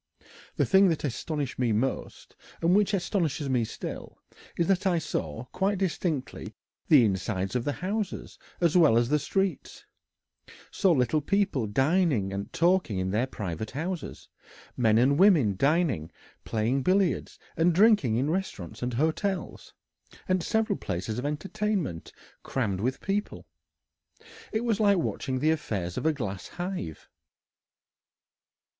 The thing that astonished me most, and which astonishes me still, is that I saw quite distinctly the insides of the houses as well as the streets, saw little people dining and talking in the private houses, men and women dining, playing billiards, and drinking in restaurants and hotels, and several places of entertainment crammed with people. It was like watching the affairs of a glass hive."